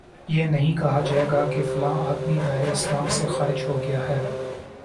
یہ نہیں کہا جائے گا کہ فلاں آدمی دائرۂ اسلام سے خارج ہو گیا ہے